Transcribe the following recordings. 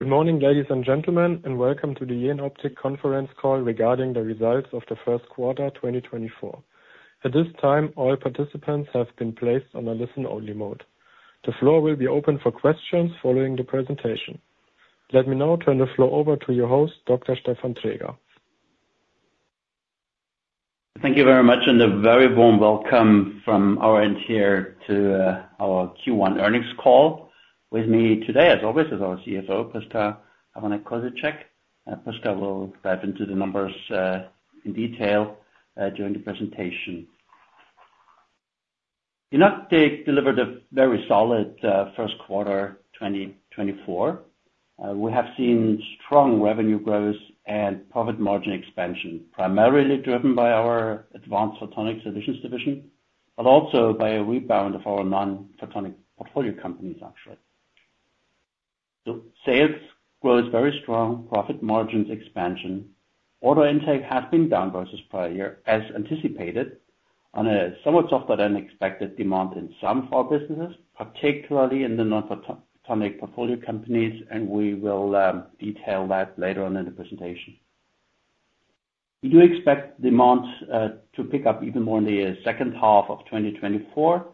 Good morning, ladies and gentlemen, and welcome to the Jenoptik conference call regarding the results of the Q1 2024. At this time, all participants have been placed on a listen-only mode. The floor will be open for questions following the presentation. Let me now turn the floor over to your host, Dr. Stefan Traeger. Thank you very much and a very warm welcome from our end here to our Q1 earnings call. With me today, as always, is our CFO, Prisca Havranek-Kosicek. Prisca will dive into the numbers in detail during the presentation. Jenoptik delivered a very solid Q1 2024. We have seen strong revenue growth and profit margin expansion, primarily driven by our Advanced Photonics Solutions division, but also by a rebound of our non-photonic portfolio companies, actually. So sales growth is very strong, profit margins expansion. Order intake has been down versus prior year, as anticipated, on a somewhat softer than expected demand in some of our businesses, particularly in the non-photonic portfolio companies, and we will detail that later on in the presentation. We do expect demand to pick up even more in the second half of 2024,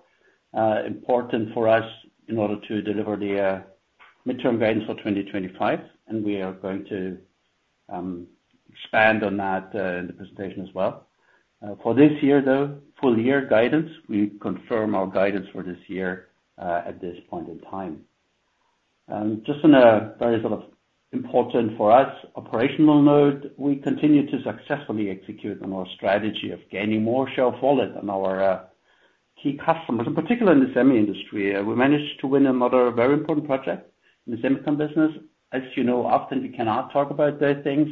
important for us in order to deliver the mid-term guidance for 2025, and we are going to expand on that in the presentation as well. For this year, though, full-year guidance, we confirm our guidance for this year at this point in time. Just on a very sort of important for us operational note, we continue to successfully execute on our strategy of gaining more share of wallet on our key customers, in particular in the semi industry. We managed to win another very important project in the semiconductor business. As you know, often we cannot talk about those things.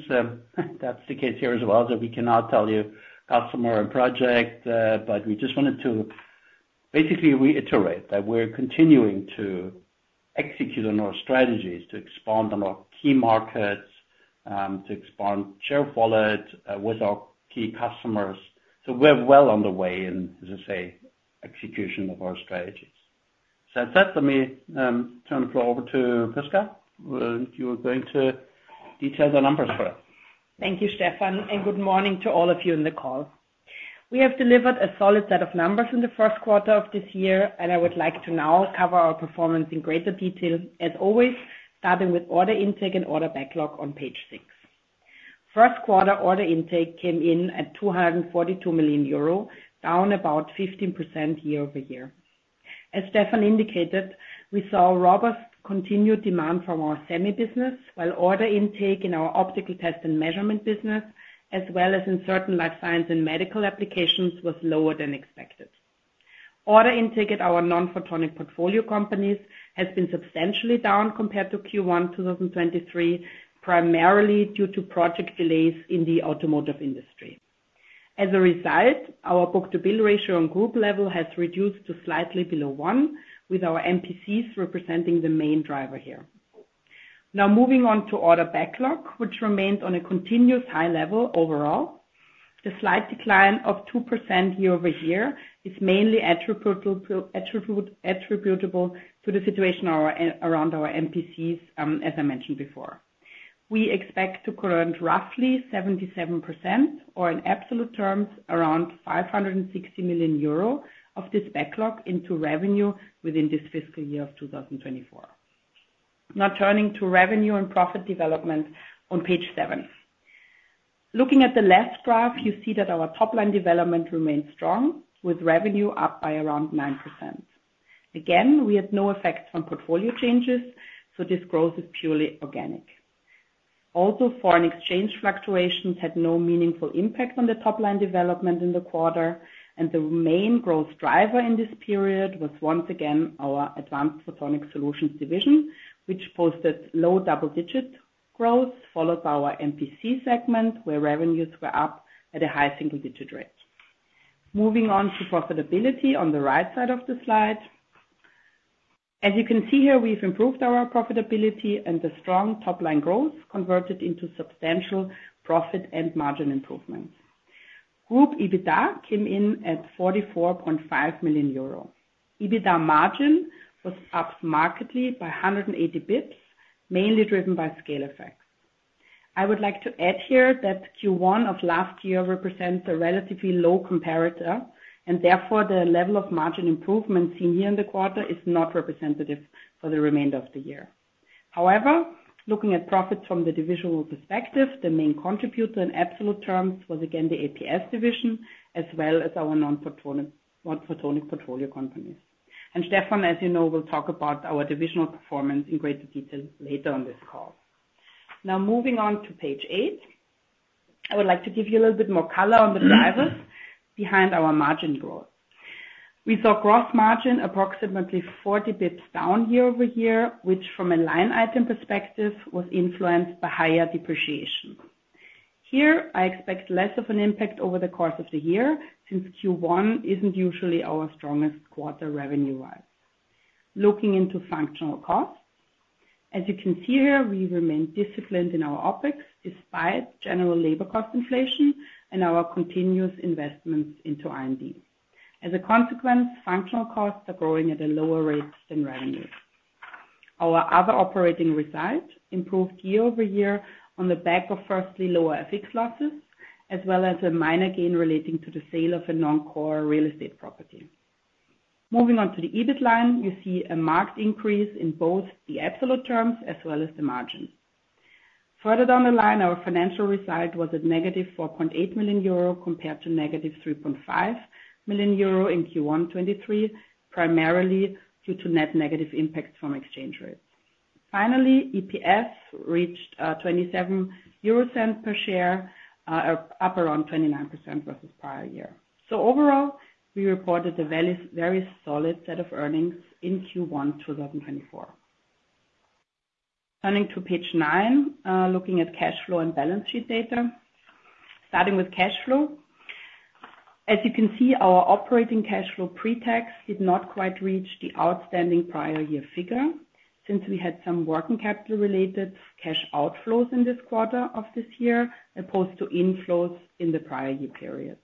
That's the case here as well, that we cannot tell you customer and project, but we just wanted to basically reiterate that we're continuing to execute on our strategies to expand on our key markets, to expand share of wallet with our key customers. So we're well on the way in, as I say, execution of our strategies. So with that, let me turn the floor over to Prisca. You were going to detail the numbers for us. Thank you, Stefan, and good morning to all of you in the call. We have delivered a solid set of numbers in the Q1 of this year, and I would like to now cover our performance in greater detail, as always, starting with order intake and order backlog on page six. Q1 order intake came in at 242 million euro, down about 15% year-over-year. As Stefan indicated, we saw robust continued demand from our semi business, while order intake in our optical test and measurement business, as well as in certain life science and medical applications, was lower than expected. Order intake at our non-photonic portfolio companies has been substantially down compared to Q1 2023, primarily due to project delays in the automotive industry. As a result, our book-to-bill ratio on group level has reduced to slightly below one, with our NPCs representing the main driver here. Now moving on to order backlog, which remained on a continuous high level overall. The slight decline of 2% year-over-year is mainly attributable to the situation around our NPCs, as I mentioned before. We expect to convert roughly 77%, or in absolute terms, around 560 million euro of this backlog into revenue within this fiscal year of 2024. Now turning to revenue and profit development on page 7. Looking at the left graph, you see that our top-line development remained strong, with revenue up by around 9%. Again, we had no effects from portfolio changes, so this growth is purely organic. Also, foreign exchange fluctuations had no meaningful impact on the top-line development in the quarter, and the main growth driver in this period was once again our Advanced Photonic Solutions division, which posted low double-digit growth, followed by our NPC segment, where revenues were up at a high single-digit rate. Moving on to profitability on the right side of the slide. As you can see here, we've improved our profitability, and the strong top-line growth converted into substantial profit and margin improvements. Group EBITDA came in at 44.5 million euro. EBITDA margin was up markedly by 180 basis points, mainly driven by scale effects. I would like to add here that Q1 of last year represents a relatively low comparator, and therefore the level of margin improvement seen here in the quarter is not representative for the remainder of the year. However, looking at profits from the divisional perspective, the main contributor in absolute terms was again the APS division, as well as our non-photonic portfolio companies. And Stefan, as you know, will talk about our divisional performance in greater detail later on this call. Now moving on to page 8. I would like to give you a little bit more color on the drivers behind our margin growth. We saw gross margin approximately 40 basis points down year-over-year, which from a line item perspective was influenced by higher depreciation. Here, I expect less of an impact over the course of the year since Q1 isn't usually our strongest quarter revenue-wise. Looking into functional costs. As you can see here, we remain disciplined in our OpEx despite general labor cost inflation and our continuous investments into R&D. As a consequence, functional costs are growing at a lower rate than revenue. Our other operating result improved year-over-year on the back of firstly lower FX losses, as well as a minor gain relating to the sale of a non-core real estate property. Moving on to the EBIT line, you see a marked increase in both the absolute terms as well as the margins. Further down the line, our financial result was at negative 4.8 million euro compared to negative 3.5 million euro in Q1 2023, primarily due to net negative impacts from exchange rates. Finally, EPS reached 0.27 EUR per share, up around 29% versus prior year. So overall, we reported a very solid set of earnings in Q1 2024. Turning to page 9, looking at cash flow and balance sheet data. Starting with cash flow. As you can see, our operating cash flow pre-tax did not quite reach the outstanding prior year figure since we had some working capital-related cash outflows in this quarter of this year opposed to inflows in the prior year period.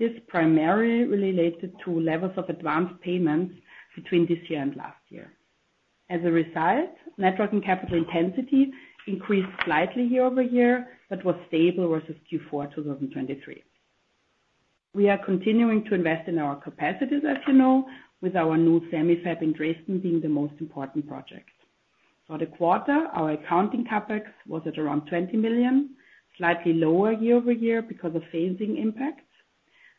This primarily related to levels of advanced payments between this year and last year. As a result, net working capital intensity increased slightly year-over-year but was stable versus Q4 2023. We are continuing to invest in our capacities, as you know, with our new semi fab in Dresden being the most important project. For the quarter, our accounting CapEx was at around 20 million, slightly lower year-over-year because of phasing impacts.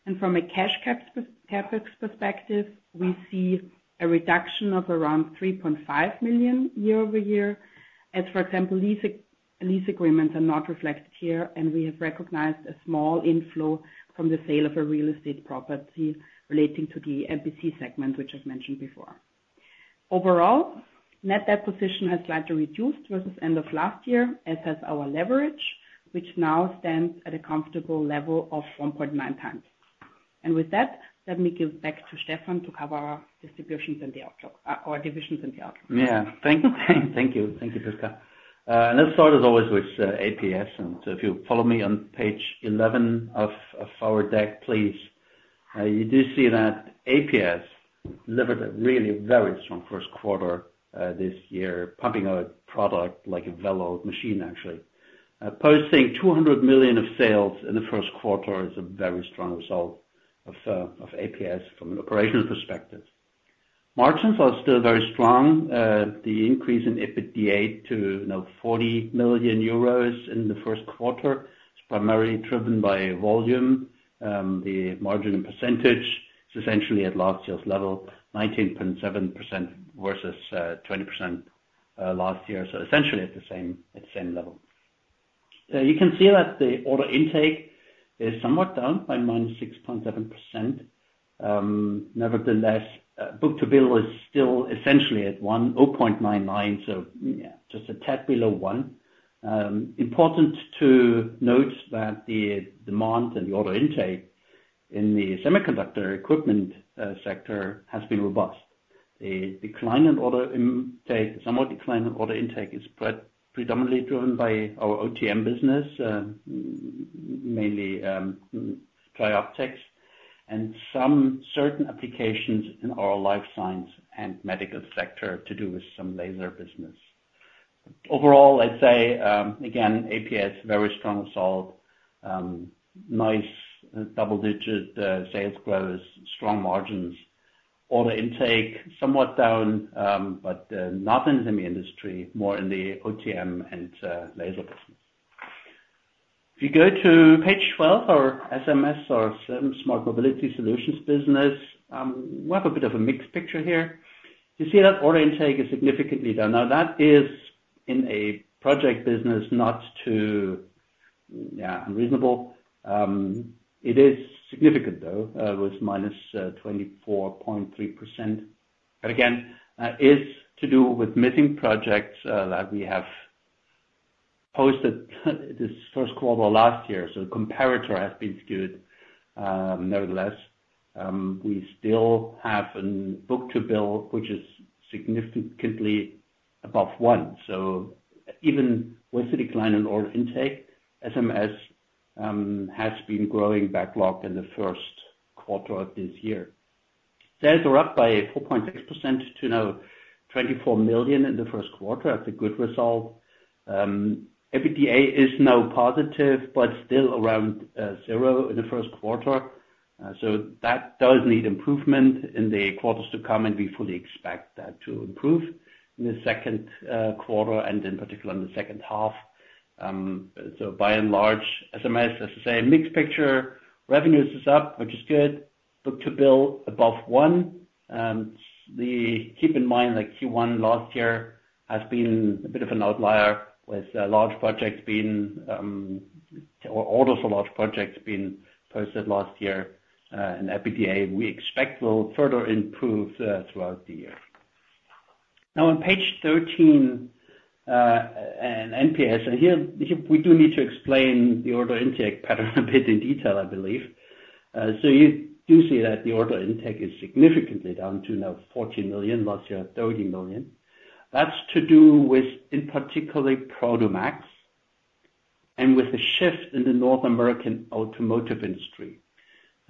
And from a cash CapEx perspective, we see a reduction of around 3.5 million year-over-year, as for example, lease agreements are not reflected here, and we have recognized a small inflow from the sale of a real estate property relating to the NPC segment, which I've mentioned before. Overall, net debt position has slightly reduced versus end of last year, as has our leverage, which now stands at a comfortable level of 1.9 times. And with that, let me give back to Stefan to cover our distributions and the outlook our divisions and the outlook. Yeah. Thank you. Prisca. And let's start, as always, with APS. And so if you follow me on page 11 of our deck, please, you do see that APS delivered a really very strong Q1 this year, pumping out a product like a well-oiled machine, actually. Posting 200 million of sales in the Q1 is a very strong result of APS from an operational perspective. Margins are still very strong. The increase in EBITDA to now 40 million euros in the Q1 is primarily driven by volume. The margin in percentage is essentially at last year's level, 19.7% versus 20% last year, so essentially at the same level. You can see that the order intake is somewhat down by -6.7%. Nevertheless, book-to-bill is still essentially at 1, 0.99, so just a tad below one. Important to note that the demand and the order intake in the semiconductor equipment sector has been robust. The decline in order intake the somewhat declining order intake is predominantly driven by our OTM business, mainly TRIOPTICS, and some certain applications in our life science and medical sector to do with some laser business. Overall, I'd say, again, APS, very strong result, nice double-digit sales growth, strong margins. Order intake somewhat down, but not in the semi industry, more in the OTM and laser business. If you go to page 12, our SMS or SM Smart Mobility Solutions business, we have a bit of a mixed picture here. You see that order intake is significantly down. Now, that is in a project business not too unreasonable. It is significant, though, with -24.3%. But again, that is to do with missing projects that we have posted this Q1 last year, so the comparator has been skewed. Nevertheless, we still have a book-to-bill which is significantly above one. So even with the decline in order intake, SMS has been growing backlogged in the Q1 of this year. Sales are up by 4.6% to now 24 million in the Q1. That's a good result. EBITDA is now positive but still around zero in the Q1. So that does need improvement in the quarters to come, and we fully expect that to improve in the Q2 and in particular in the second half. So by and large, SMS, as I say, mixed picture. Revenues is up, which is good. Book-to-bill above one. Keep in mind that Q1 last year has been a bit of an outlier with large projects being or orders for large projects being posted last year, and EBITDA, we expect, will further improve throughout the year. Now on page 13 and NPC, and here we do need to explain the order intake pattern a bit in detail, I believe. So you do see that the order intake is significantly down to now 14 million last year, 30 million. That's to do with, in particular, Prodomax and with a shift in the North American automotive industry.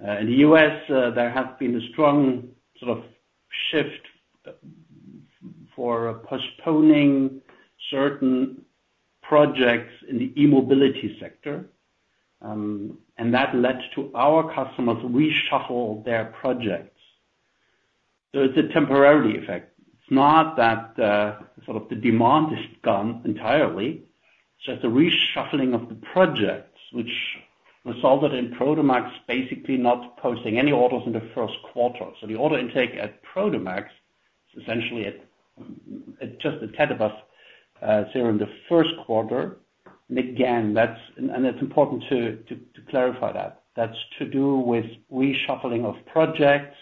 In the US, there has been a strong sort of shift for postponing certain projects in the e-mobility sector, and that led to our customers reshuffle their projects. So it's a temporary effect. It's not that sort of the demand is gone entirely. It's just a reshuffling of the projects, which resulted in Prodomax basically not posting any orders in the Q1. So the order intake at Prodomax is essentially at just a tad above zero in the Q1. And again, that's and it's important to clarify that. That's to do with reshuffling of projects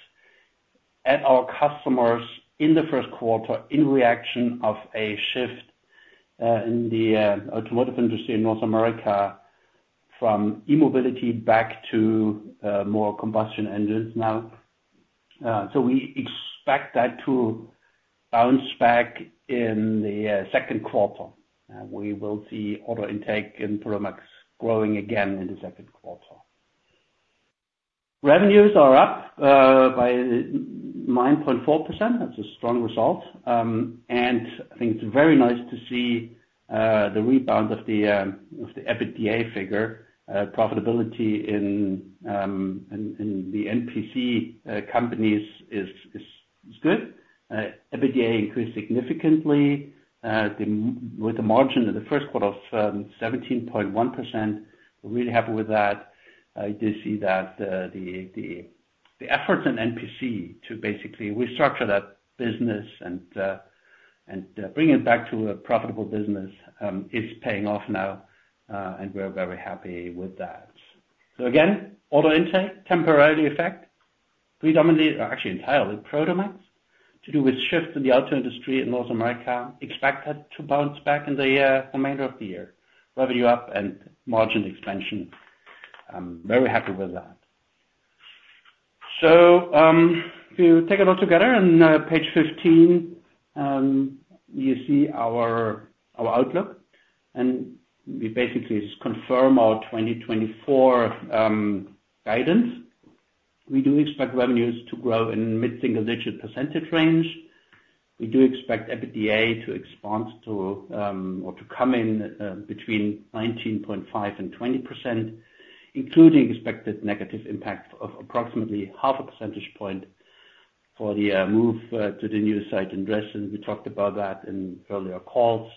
at our customers in the Q1 in reaction of a shift in the automotive industry in North America from e-mobility back to more combustion engines now. So we expect that to bounce back in the Q2. We will see order intake in Prodomax growing again in the Q2. Revenues are up by 9.4%. That's a strong result. And I think it's very nice to see the rebound of the EBITDA figure. Profitability in the NPC companies is good. EBITDA increased significantly with a margin in the Q1 of 17.1%. We're really happy with that. You do see that the efforts in NPC to basically restructure that business and bring it back to a profitable business is paying off now, and we're very happy with that. So again, order intake, temporarily effect, predominantly or actually entirely Prodomax, to do with shift in the auto industry in North America, expect that to bounce back in the remainder of the year, revenue up and margin expansion. Very happy with that. So if you take a look together on page 15, you see our outlook. And we basically just confirm our 2024 guidance. We do expect revenues to grow in mid-single-digit percentage range. We do expect EBITDA to expand to or to come in between 19.5%-20%, including expected negative impact of approximately half a percentage point for the move to the new site in Dresden. We talked about that in earlier calls.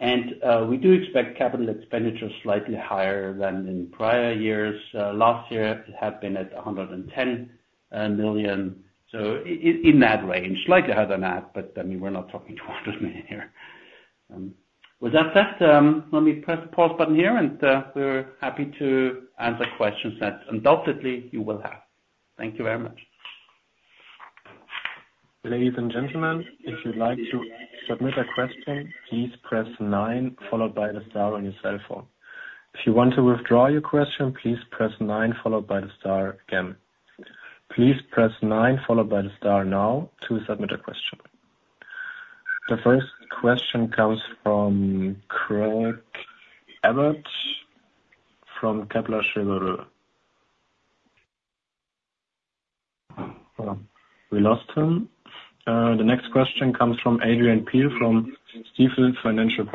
We do expect capital expenditure slightly higher than in prior years. Last year, it had been at 110 million, so in that range, slightly higher than that, but I mean, we're not talking 200 million here. With that said, let me press the pause button here, and we're happy to answer questions that undoubtedly you will have. Thank you very much. Ladies and gentlemen, if you'd like to submit a question, please press 9 followed by the star on your cell phone. If you want to withdraw your question, please press 9 followed by the star again. Please press 9 followed by the star now to submit a question. The first question comes from Craig Abbott from Kepler Cheuvreux. We lost him. The next question comes from Adrian Pehl from Stifel Financial.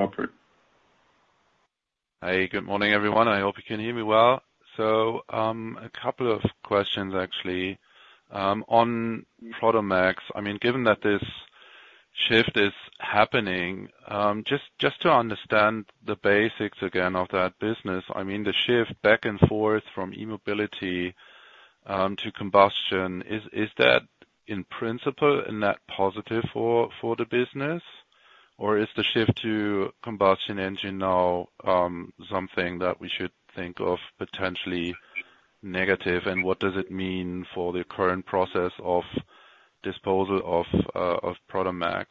Hey. Good morning, everyone. I hope you can hear me well. So a couple of questions, actually. On Prodomax, I mean, given that this shift is happening, just to understand the basics again of that business, I mean, the shift back and forth from e-mobility to combustion, is that, in principle, a net positive for the business, or is the shift to combustion engine now something that we should think of potentially negative? And what does it mean for the current process of disposal of Prodomax?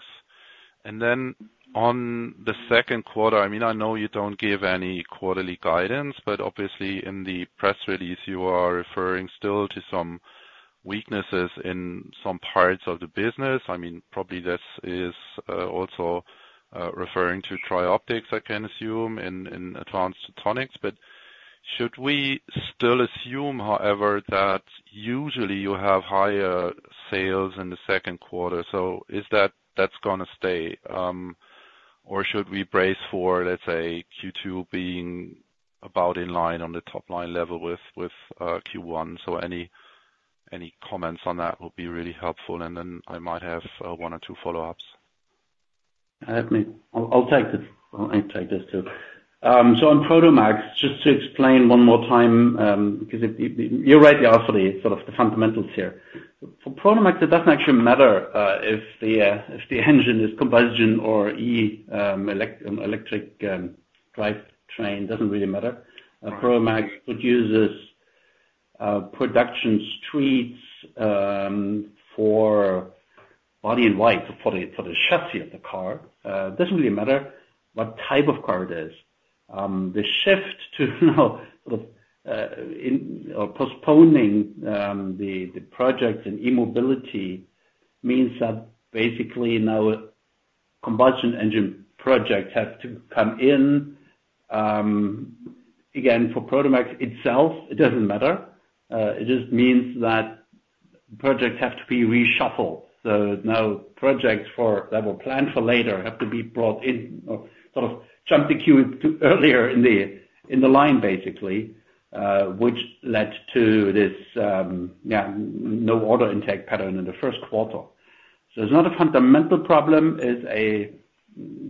And then on the Q2, I mean, I know you don't give any quarterly guidance, but obviously, in the press release, you are referring still to some weaknesses in some parts of the business. I mean, probably this is also referring to TRIOPTICS, I can assume, in advanced photonics. But should we still assume, however, that usually you have higher sales in the Q2? So is that that's going to stay, or should we brace for, let's say, Q2 being about in line on the top-line level with Q1? So any comments on that would be really helpful, and then I might have one or two follow-ups. I'll take this. I'll take this too. So on Prodomax, just to explain one more time because you're right, Yars, for the sort of the fundamentals here. For Prodomax, it doesn't actually matter if the engine is combustion or electric drivetrain. It doesn't really matter. Prodomax produces production streets for body-in-white, for the chassis of the car. It doesn't really matter what type of car it is. The shift to now sort of postponing the projects in e-mobility means that basically now combustion engine projects have to come in. Again, for Prodomax itself, it doesn't matter. It just means that projects have to be reshuffled. So now projects that were planned for later have to be brought in or sort of jumped the queue earlier in the line, basically, which led to this, yeah, no order intake pattern in the Q1. So it's not a fundamental problem. It's a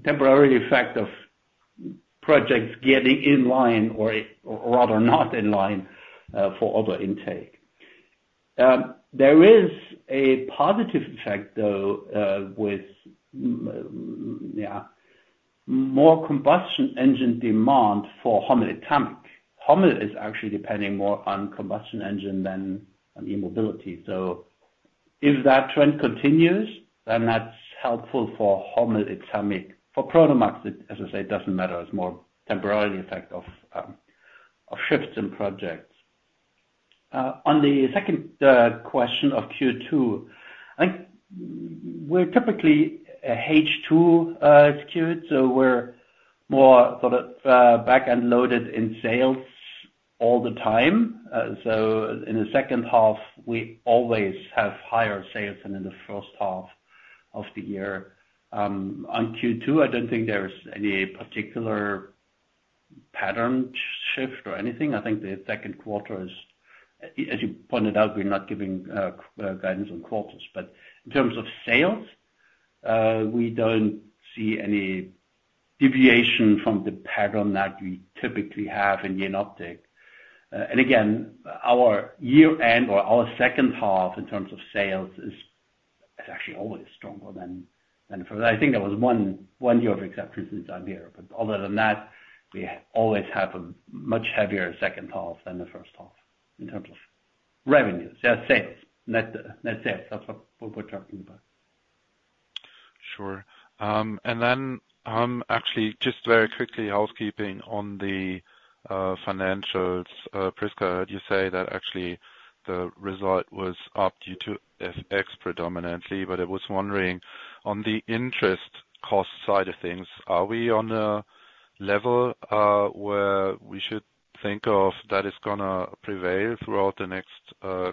temporary effect of projects getting in line or rather not in line for order intake. There is a positive effect, though, with, yeah, more combustion engine demand for HOMMEL ETAMIC. HOMMEL ETAMIC is actually depending more on combustion engine than on e-mobility. So if that trend continues, then that's helpful for HOMMEL ETAMIC. For Prodomax, as I say, it doesn't matter. It's more a temporary effect of shifts in projects. On the second question of Q2, I think we're typically H2 skewed, so we're more sort of back-loaded in sales all the time. So in the second half, we always have higher sales than in the first half of the year. On Q2, I don't think there's any particular pattern shift or anything. I think the Q2 is as you pointed out, we're not giving guidance on quarters. But in terms of sales, we don't see any deviation from the pattern that we typically have in Jenoptik. And again, our year-end or our second half in terms of sales is actually always stronger than the first. I think there was one year of exceptions since I'm here, but other than that, we always have a much heavier second half than the first half in terms of revenues. Yeah, sales, net sales. That's what we're talking about. Sure. And then actually, just very quickly, housekeeping on the financials. Prisca, you say that actually the result was up due to FX predominantly, but I was wondering, on the interest cost side of things, are we on a level where we should think of that is going to prevail throughout the next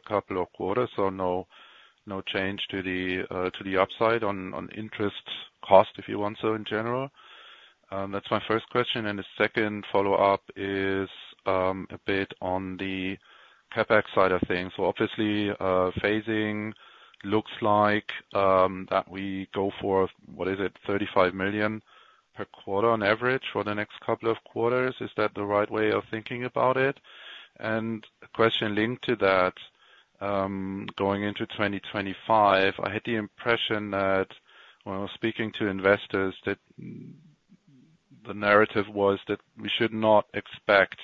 couple of quarters, so no change to the upside on interest cost, if you want so, in general? That's my first question. And the second follow-up is a bit on the CapEx side of things. So obviously, phasing looks like that we go for, what is it, 35 million per quarter on average for the next couple of quarters. Is that the right way of thinking about it? A question linked to that, going into 2025, I had the impression that when I was speaking to investors, that the narrative was that we should not expect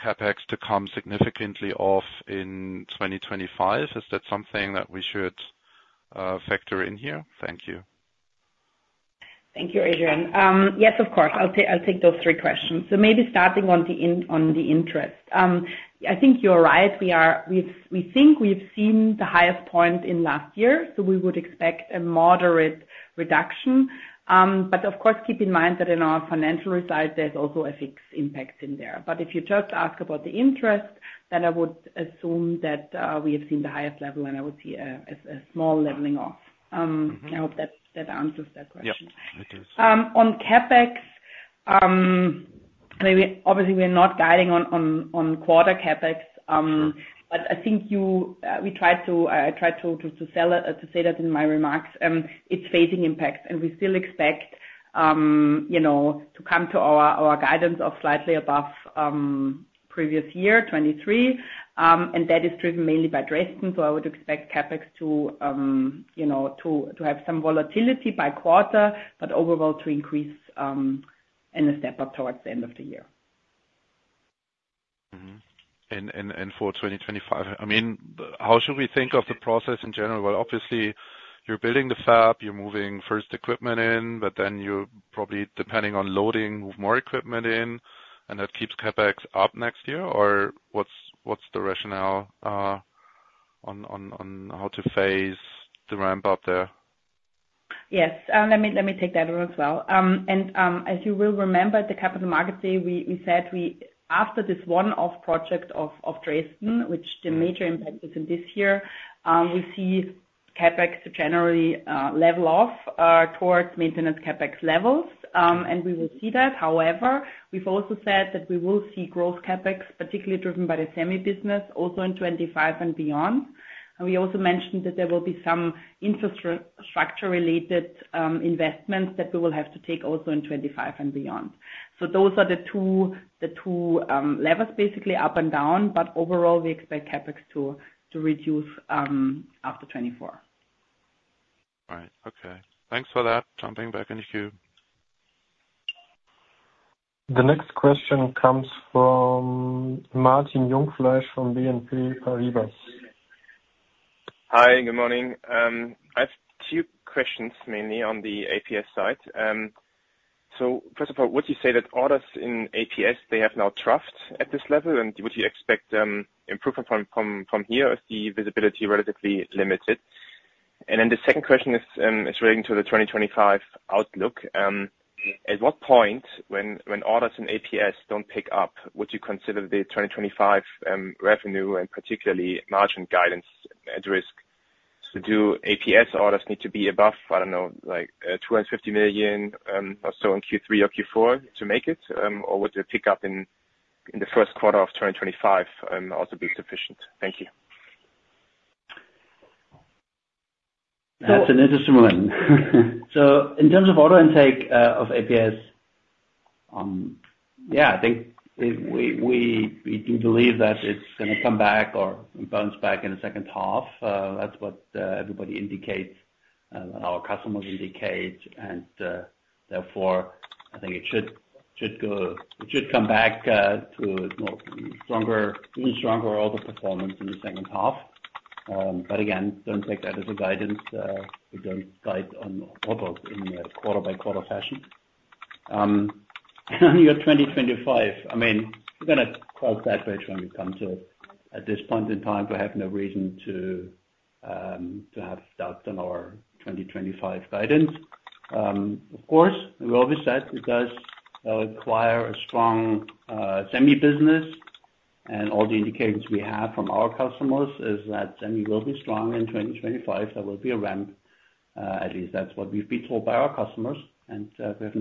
CapEx to come significantly off in 2025. Is that something that we should factor in here? Thank you. Thank you, Adrian. Yes, of course. I'll take those three questions. So maybe starting on the interest. I think you're right. We think we've seen the highest point in last year, so we would expect a moderate reduction. But of course, keep in mind that in our financial result, there's also FX impact in there. But if you just ask about the interest, then I would assume that we have seen the highest level, and I would see a small leveling off. I hope that answers that question. Yep. It does. On CapEx, obviously, we're not guiding on quarter CapEx, but I think I tried to say that in my remarks. It's phasing impact, and we still expect to come to our guidance of slightly above previous year, 2023. And that is driven mainly by Dresden, so I would expect CapEx to have some volatility by quarter, but overall to increase in a step up towards the end of the year. For 2025, I mean, how should we think of the process in general? Well, obviously, you're building the fab. You're moving first equipment in, but then you probably, depending on loading, move more equipment in, and that keeps CapEx up next year, or what's the rationale on how to phase the ramp-up there? Yes. Let me take that one as well. As you will remember, at the Capital Markets Day, we said after this one-off project of Dresden, which the major impact is in this year, we see CapEx to generally level off towards maintenance CapEx levels, and we will see that. However, we've also said that we will see gross CapEx, particularly driven by the semi-business, also in 2025 and beyond. We also mentioned that there will be some infrastructure-related investments that we will have to take also in 2025 and beyond. So those are the two levers, basically, up and down, but overall, we expect CapEx to reduce after 2024. Right. Okay. Thanks for that. Jumping back into queue. The next question comes from Martin Jungfleisch from BNP Paribas. Hi. Good morning. I have two questions, mainly, on the APS side. So first of all, would you say that orders in APS, they have now troughed at this level, and would you expect improvement from here as the visibility is relatively limited? And then the second question is relating to the 2025 outlook. At what point, when orders in APS don't pick up, would you consider the 2025 revenue and particularly margin guidance at risk? Do APS orders need to be above, I don't know, 250 million or so in Q3 or Q4 to make it, or would a pickup in the Q1 of 2025 also be sufficient? Thank you. That's an interesting one. So in terms of order intake of APS, yeah, I think we do believe that it's going to come back or bounce back in the second half. That's what everybody indicates and our customers indicate. And therefore, I think it should come back to even stronger order performance in the second half. But again, don't take that as a guidance. We don't guide on orders in a quarter-by-quarter fashion. And on your 2025, I mean, we're going to cross that bridge when we come to it. At this point in time, we have no reason to have doubts on our 2025 guidance. Of course, as we always said, it does require a strong semi-business, and all the indications we have from our customers is that semi will be strong in 2025. There will be a ramp. At least, that's what we've been told by our customers, and we have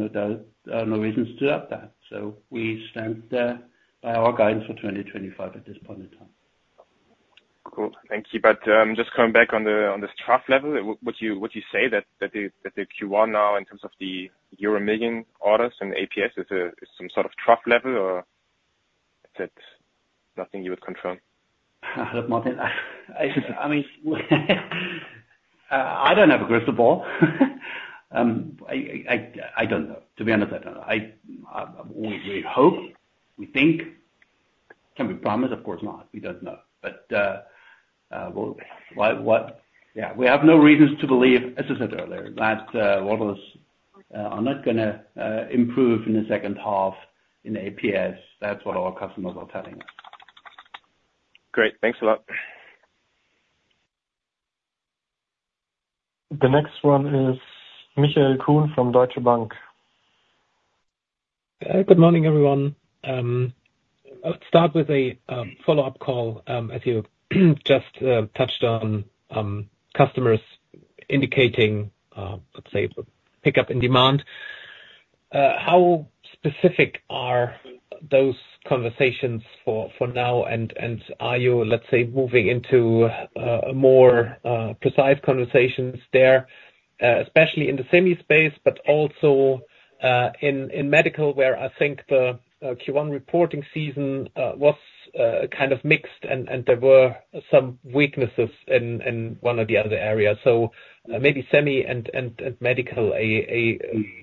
no reasons to doubt that. So we stand by our guidance for 2025 at this point in time. Cool. Thank you. But just coming back on the trough level, would you say that the Q1 now, in terms of the euro million orders in APS, is some sort of trough level, or is it nothing you would control? Hello Martin. I mean, I don't have a crystal ball. I don't know. To be honest, I don't know. We hope. We think. Can we promise? Of course not. We don't know. But yeah, we have no reasons to believe, as I said earlier, that orders are not going to improve in the second half in APS. That's what our customers are telling us. Great. Thanks a lot. The next one is Michael Kuhn from Deutsche Bank. Good morning, everyone. I'll start with a follow-up call, as you just touched on customers indicating, let's say, pickup in demand. How specific are those conversations for now, and are you, let's say, moving into more precise conversations there, especially in the semi-space, but also in medical, where I think the Q1 reporting season was kind of mixed, and there were some weaknesses in one or the other area? So maybe semi and medical, a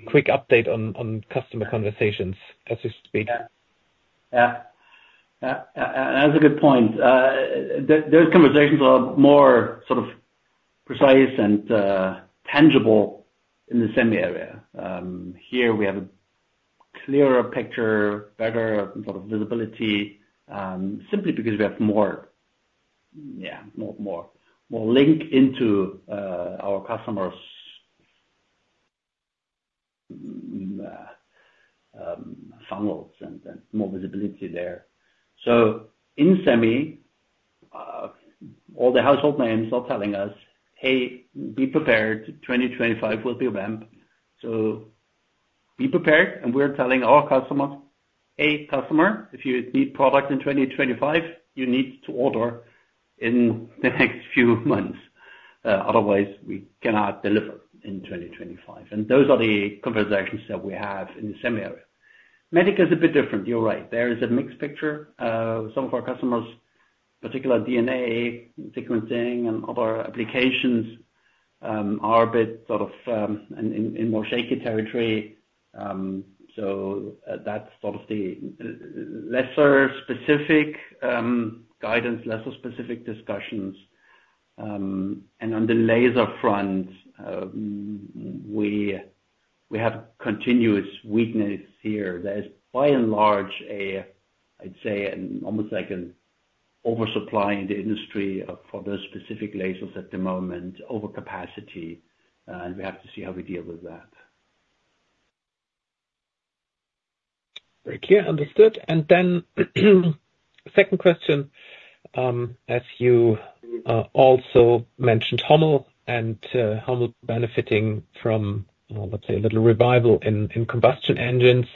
quick update on customer conversations, as you speak. Yeah. And that's a good point. Those conversations are more sort of precise and tangible in the semi-area. Here, we have a clearer picture, better sort of visibility, simply because we have more, yeah, more link into our customers' funnels and more visibility there. So in semi, all the household names are telling us, "Hey, be prepared. 2025 will be a ramp." So be prepared, and we're telling our customers, "Hey, customer, if you need product in 2025, you need to order in the next few months. Otherwise, we cannot deliver in 2025." And those are the conversations that we have in the semi-area. Medical is a bit different. You're right. There is a mixed picture. Some of our customers, particularly DNA sequencing and other applications, are a bit sort of in more shaky territory. So that's sort of the lesser specific guidance, lesser specific discussions. On the laser front, we have continuous weakness here. There is, by and large, I'd say, almost like an oversupply in the industry for those specific lasers at the moment, overcapacity, and we have to see how we deal with that. Very clear. Understood. And then second question, as you also mentioned, Hommel, and Hommel benefiting from, let's say, a little revival in combustion engines.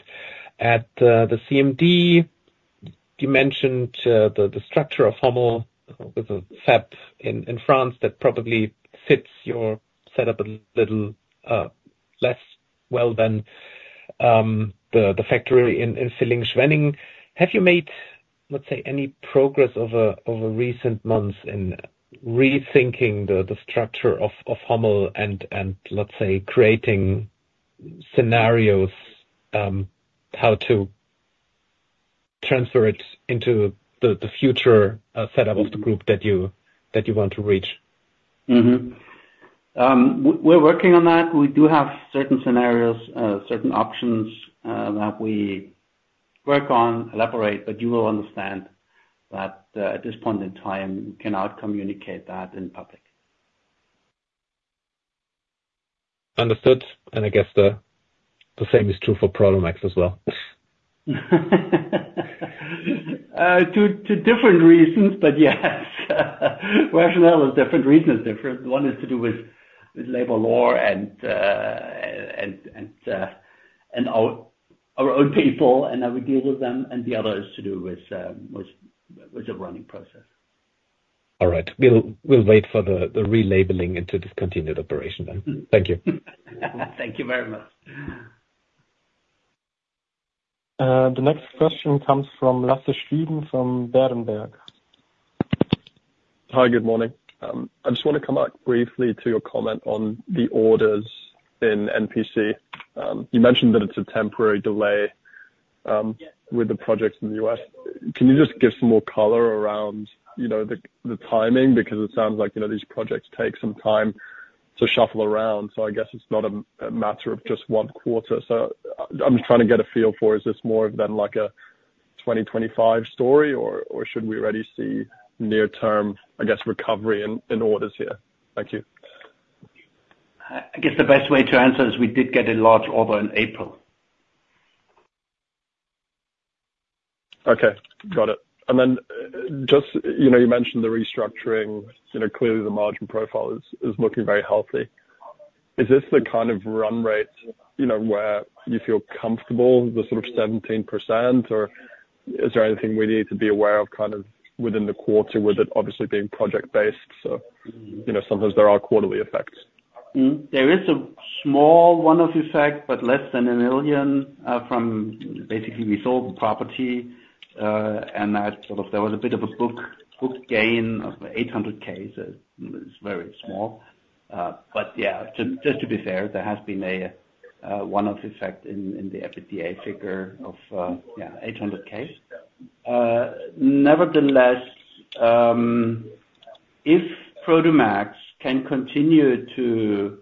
At the CMD, you mentioned the structure of Hommel with a fab in France that probably fits your setup a little less well than the factory in Villingen-Schwenningen. Have you made, let's say, any progress over recent months in rethinking the structure of Hommel and, let's say, creating scenarios how to transfer it into the future setup of the group that you want to reach? We're working on that. We do have certain scenarios, certain options that we work on, elaborate, but you will understand that at this point in time, we cannot communicate that in public. Understood. I guess the same is true for Prodomax as well. Two different reasons, but yes. Rationale is different. Reason is different. One is to do with labor law and our own people, and how we deal with them, and the other is to do with the running process. All right. We'll wait for the relabeling into discontinued operation then. Thank you. Thank you very much. The next question comes from Lasse Stüben from Berenberg. Hi. Good morning. I just want to come back briefly to your comment on the orders in NPC. You mentioned that it's a temporary delay with the projects in the U.S. Can you just give some more color around the timing? Because it sounds like these projects take some time to shuffle around, so I guess it's not a matter of just one quarter. So I'm just trying to get a feel for, is this more than a 2025 story, or should we already see near-term, I guess, recovery in orders here? Thank you. I guess the best way to answer is we did get a large order in April. Okay. Got it. And then you mentioned the restructuring. Clearly, the margin profile is looking very healthy. Is this the kind of run rate where you feel comfortable, the sort of 17%, or is there anything we need to be aware of kind of within the quarter with it obviously being project-based? So sometimes there are quarterly effects. There is a small one-off effect, but less than 1 million. Basically, we sold the property, and sort of there was a bit of a book gain of 800,000. So it's very small. But yeah, just to be fair, there has been a one-off effect in the EBITDA figure of, yeah, 800,000. Nevertheless, if Prodomax can continue to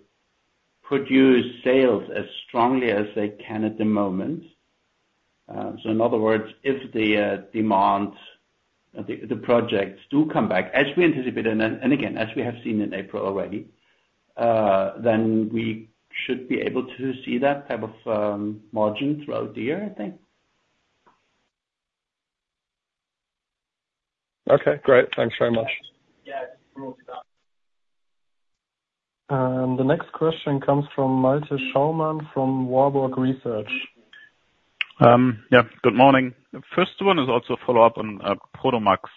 produce sales as strongly as they can at the moment so in other words, if the demand, the projects do come back, as we anticipated, and again, as we have seen in April already, then we should be able to see that type of margin throughout the year, I think. Okay. Great. Thanks very much. The next question comes from Malte Schaumann from Warburg Research. Yeah. Good morning. First one is also a follow-up on Prodomax.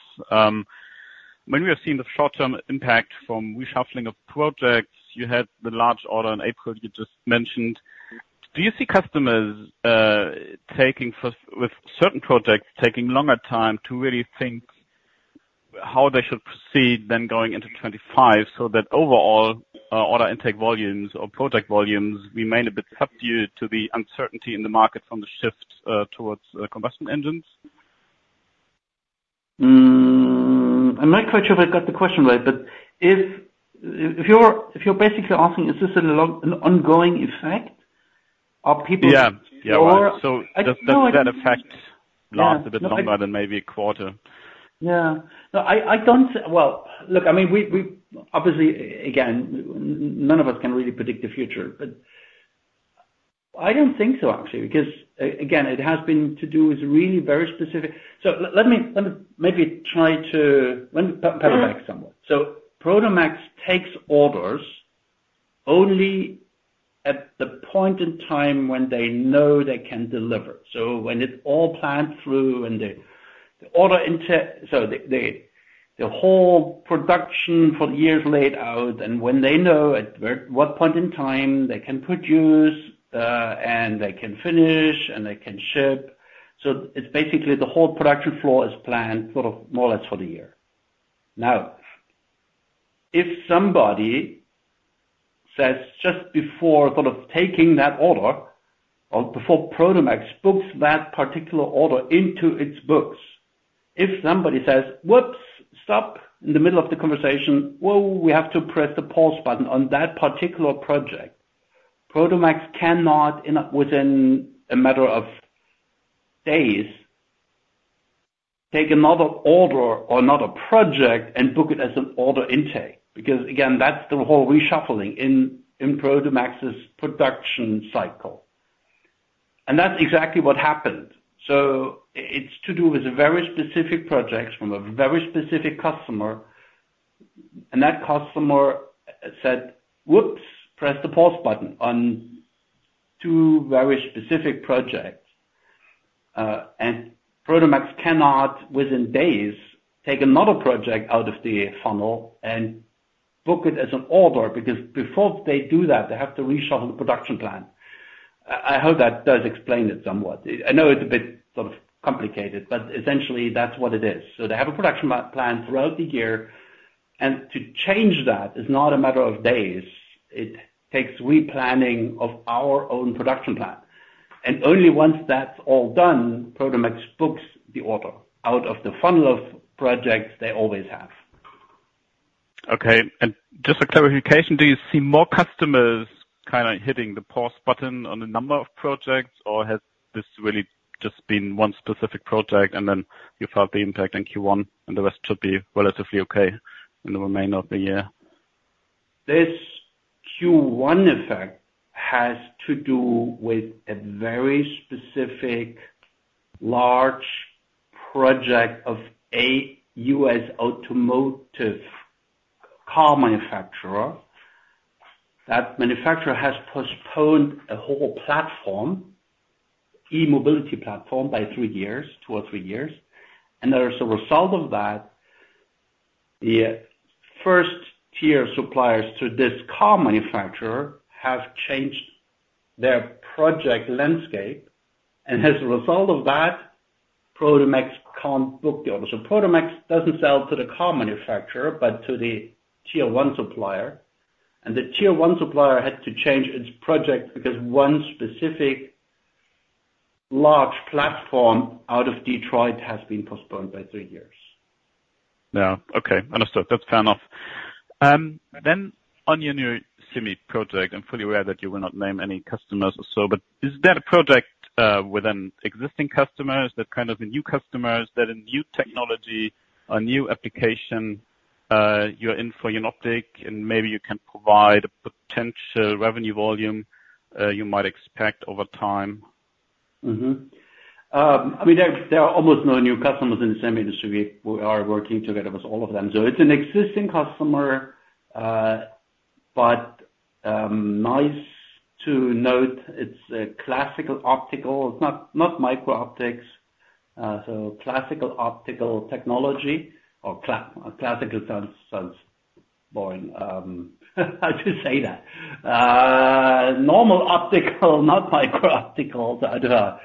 When we have seen the short-term impact from reshuffling of projects, you had the large order in April you just mentioned. Do you see customers with certain projects taking longer time to really think how they should proceed than going into 2025 so that overall order intake volumes or project volumes remain a bit subdued to the uncertainty in the market from the shift towards combustion engines? I'm not quite sure if I got the question right, but if you're basically asking, is this an ongoing effect, or people? Yeah. So I think that effect lasts a bit longer than maybe a quarter. Yeah. No, I don't. Well, look, I mean, obviously, again, none of us can really predict the future, but I don't think so, actually, because, again, it has been to do with really very specific. So let me maybe try to let me backpedal somewhat. So Prodomax takes orders only at the point in time when they know they can deliver. So when it's all planned through and the order intake so the whole production for the years laid out, and when they know at what point in time they can produce, and they can finish, and they can ship. So it's basically the whole production floor is planned sort of more or less for the year. Now, if somebody says just before sort of taking that order or before Prodomax books that particular order into its books, if somebody says, "Whoops, stop," in the middle of the conversation, "Whoa, we have to press the pause button on that particular project," Prodomax cannot, within a matter of days, take another order or another project and book it as an order intake because, again, that's the whole reshuffling in Prodomax's production cycle. And that's exactly what happened. So it's to do with very specific projects from a very specific customer, and that customer said, "Whoops, press the pause button on two very specific projects," and Prodomax cannot, within days, take another project out of the funnel and book it as an order because before they do that, they have to reshuffle the production plan. I hope that does explain it somewhat. I know it's a bit sort of complicated, but essentially, that's what it is. So they have a production plan throughout the year, and to change that is not a matter of days. It takes replanning of our own production plan. And only once that's all done, Prodomax books the order out of the funnel of projects they always have. Okay. Just a clarification, do you see more customers kind of hitting the pause button on a number of projects, or has this really just been one specific project, and then you felt the impact in Q1, and the rest should be relatively okay in the remainder of the year? This Q1 effect has to do with a very specific large project of a U.S. automotive car manufacturer. That manufacturer has postponed a whole platform, e-mobility platform, by 3 years, 2 or 3 years. As a result of that, the first-tier suppliers to this car manufacturer have changed their project landscape. As a result of that, Prodomax can't book the order. Prodomax doesn't sell to the car manufacturer but to the Tier 1 supplier, and the Tier 1 supplier had to change its project because one specific large platform out of Detroit has been postponed by 3 years. Yeah. Okay. Understood. That's fair enough. Then on your new semi-project, I'm fully aware that you will not name any customers or so, but is that a project within existing customers that kind of the new customers, that a new technology, a new application you're in for, you're not optic, and maybe you can provide a potential revenue volume you might expect over time? I mean, there are almost no new customers in the semi-industry. We are working together with all of them. So it's an existing customer, but nice to note it's a classical optical. It's not micro-optics, so classical optical technology or classical sounds boring. How do you say that? Normal optical, not micro-optical, so I don't know.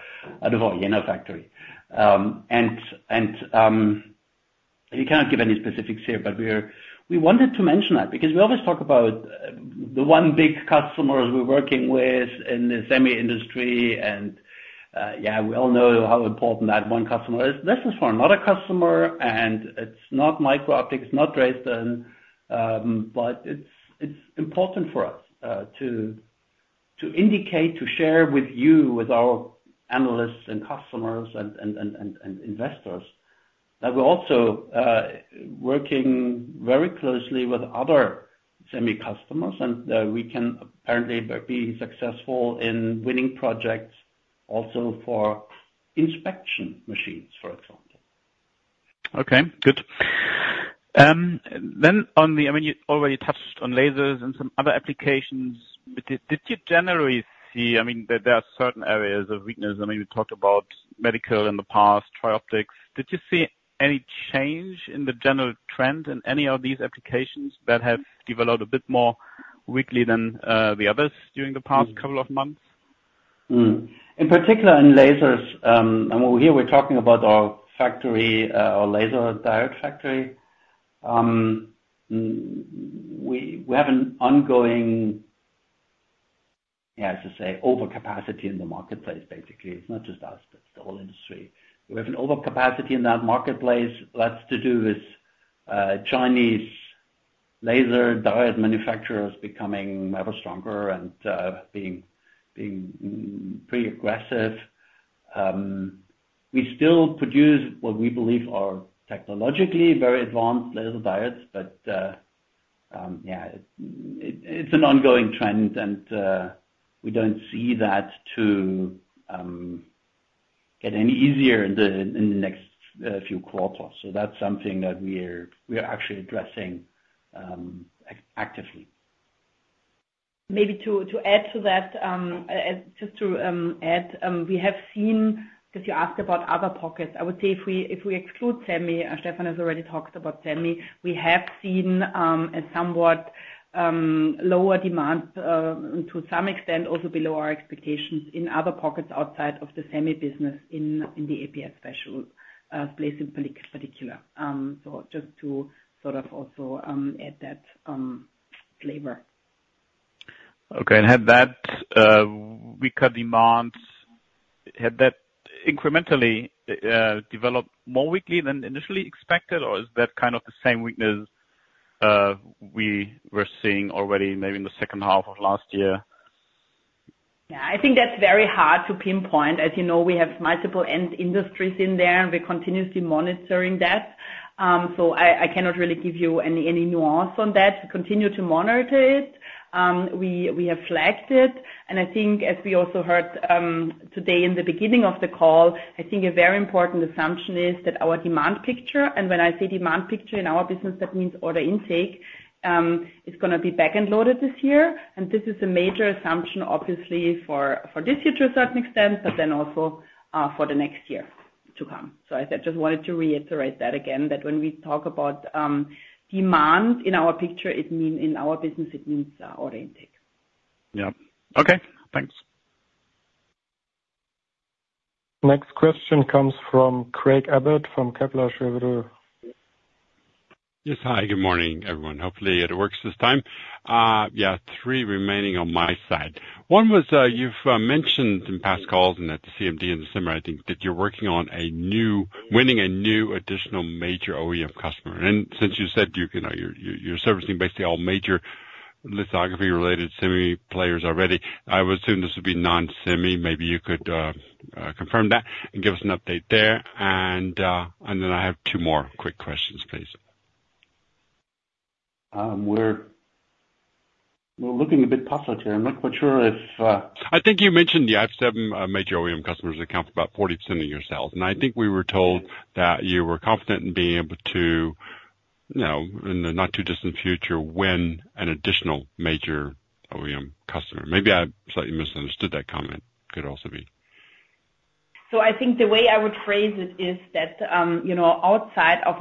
I don't know. Yeah, no factory. And you cannot give any specifics here, but we wanted to mention that because we always talk about the one big customer we're working with in the semi-industry, and yeah, we all know how important that one customer is. This is for another customer, and it's not micro-optics. It's not Dresden, but it's important for us to indicate, to share with you, with our analysts and customers and investors, that we're also working very closely with other semi-customers, and we can apparently be successful in winning projects also for inspection machines, for example. Okay. Good. Then, I mean, you already touched on lasers and some other applications. Did you generally see, I mean, there are certain areas of weakness. I mean, we talked about medical in the past, TRIOPTICS. Did you see any change in the general trend in any of these applications that have developed a bit more weakly than the others during the past couple of months? In particular, in lasers and here, we're talking about our laser diode factory. We have an ongoing yeah, I should say overcapacity in the marketplace, basically. It's not just us, but it's the whole industry. We have an overcapacity in that marketplace. That's to do with Chinese laser diode manufacturers becoming ever stronger and being pretty aggressive. We still produce what we believe are technologically very advanced laser diodes, but yeah, it's an ongoing trend, and we don't see that to get any easier in the next few quarters. So that's something that we are actually addressing actively. Maybe to add to that, just to add, we have seen—because you asked about other pockets. I would say if we exclude semi, Stefan has already talked about semi. We have seen a somewhat lower demand to some extent, also below our expectations, in other pockets outside of the semi business in the APS special space in particular. So just to sort of also add that flavor. Okay. Had that weak demand incrementally developed more weakly than initially expected, or is that kind of the same weakness we were seeing already maybe in the second half of last year? Yeah. I think that's very hard to pinpoint. As you know, we have multiple end industries in there, and we're continuously monitoring that. So I cannot really give you any nuance on that. We continue to monitor it. We have flagged it. And I think, as we also heard today in the beginning of the call, I think a very important assumption is that our demand picture and when I say demand picture in our business, that means order intake is going to be back-and-loaded this year. And this is a major assumption, obviously, for this year to a certain extent, but then also for the next year to come. So I just wanted to reiterate that again, that when we talk about demand in our picture, in our business, it means order intake. Yeah. Okay. Thanks. Next question comes from Craig Abbott from Kepler Cheuvreux. Yes. Hi. Good morning, everyone. Hopefully, it works this time. Yeah, three remaining on my side. One was you've mentioned in past calls and at the CMD in the summer, I think, that you're working on winning a new additional major OEM customer. And since you said you're servicing basically all major lithography-related semi players already, I would assume this would be non-semi. Maybe you could confirm that and give us an update there. And then I have two more quick questions, please. We're looking a bit positive here. I'm not quite sure if. I think you mentioned the IPS7 major OEM customers account for about 40% of your sales. I think we were told that you were confident in being able to, in the not-too-distant future, win an additional major OEM customer. Maybe I slightly misunderstood that comment. Could also be. So I think the way I would phrase it is that outside of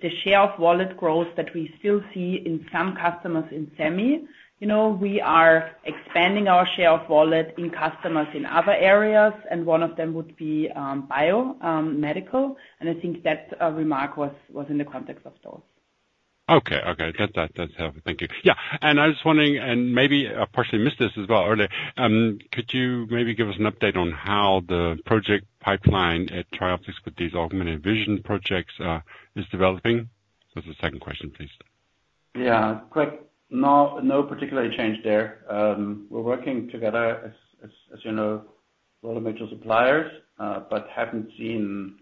the share of wallet growth that we still see in some customers in semi, we are expanding our share of wallet in customers in other areas, and one of them would be biomedical. And I think that remark was in the context of those. Okay. Okay. That's helpful. Thank you. Yeah. And I was wondering and maybe I partially missed this as well earlier. Could you maybe give us an update on how the project pipeline at TRIOPTICS with these augmented vision projects is developing? That's the second question, please. Yeah. Quick. No particular change there. We're working together, as you know, with a lot of major suppliers but haven't seen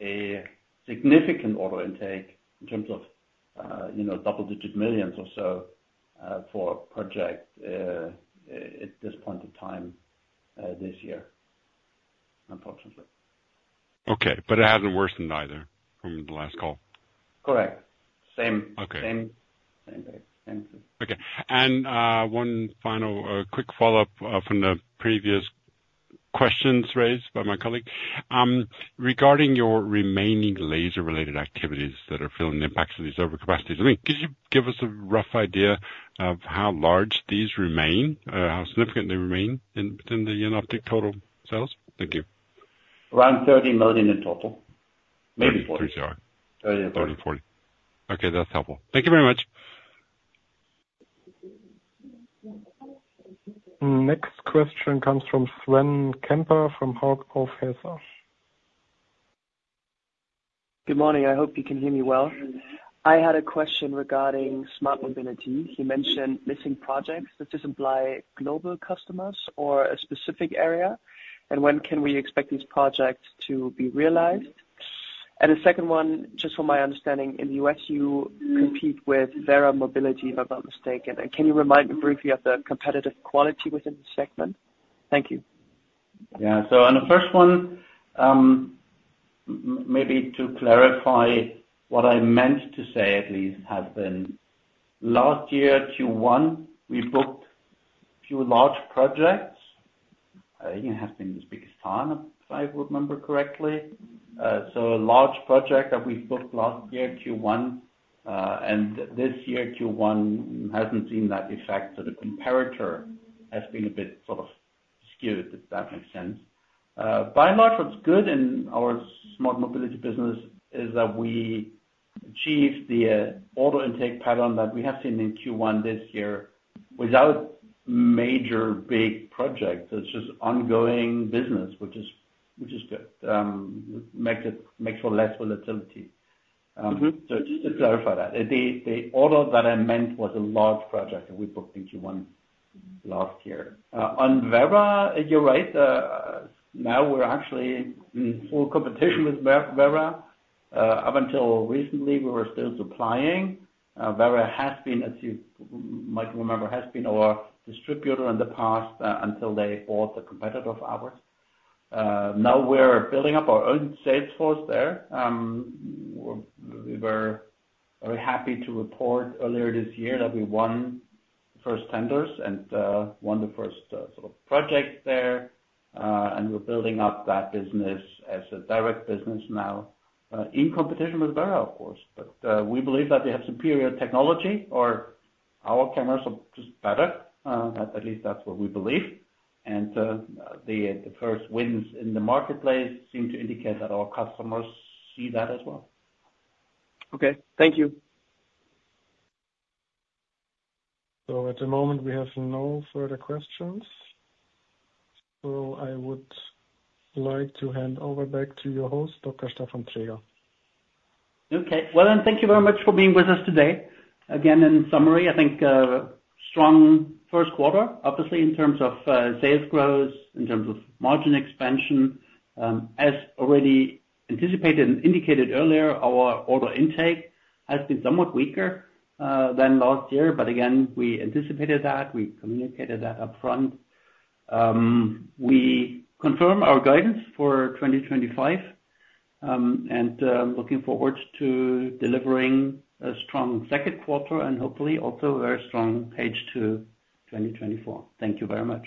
a significant order intake in terms of EUR double-digit millions or so for a project at this point in time this year, unfortunately. Okay. But it hasn't worsened either from the last call. Correct. Same date. Same thing. Okay. One final quick follow-up from the previous questions raised by my colleague. Regarding your remaining laser-related activities that are filling the impacts of these overcapacities, I mean, could you give us a rough idea of how large these remain, how significant they remain within the Jenoptik total sales? Thank you. Around 30 million in total. Maybe EUR 40 million. 30 to 40. 30 to 40. 30-40. Okay. That's helpful. Thank you very much. Next question comes from Sven Kemper from Hauck Aufhäuser. Good morning. I hope you can hear me well. I had a question regarding smart mobility. He mentioned missing projects. Does this imply global customers or a specific area? When can we expect these projects to be realized? The second one, just from my understanding, in the US, you compete with Verra Mobility, if I'm not mistaken. Can you remind me briefly of the competitive quality within the segment? Thank you. Yeah. So on the first one, maybe to clarify what I meant to say, at least, has been last year, Q1, we booked a few large projects. I think it has been this biggest time, if I remember correctly. So a large project that we've booked last year, Q1, and this year, Q1, hasn't seen that effect. So the comparator has been a bit sort of skewed, if that makes sense. By and large, what's good in our smart mobility business is that we achieved the order intake pattern that we have seen in Q1 this year without major big projects. So it's just ongoing business, which is good. It makes for less volatility. So just to clarify that, the order that I meant was a large project, and we booked in Q1 last year. On Verra, you're right. Now, we're actually in full competition with Verra. Up until recently, we were still supplying. Verra has been, as you might remember, has been our distributor in the past until they bought a competitor of ours. Now, we're building up our own sales force there. We were very happy to report earlier this year that we won the first tenders and won the first sort of project there, and we're building up that business as a direct business now in competition with Verra, of course. But we believe that they have superior technology, or our cameras are just better. At least, that's what we believe. And the first wins in the marketplace seem to indicate that our customers see that as well. Okay. Thank you. At the moment, we have no further questions. I would like to hand over back to your host, Dr. Stefan Traeger. Okay. Well, thank you very much for being with us today. Again, in summary, I think strong Q1, obviously, in terms of sales growth, in terms of margin expansion. As already anticipated and indicated earlier, our order intake has been somewhat weaker than last year, but again, we anticipated that. We communicated that upfront. We confirm our guidance for 2025 and looking forward to delivering a strong Q2 and hopefully also a very strong H2 2024. Thank you very much.